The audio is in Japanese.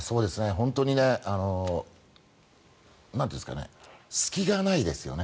本当に隙がないですよね。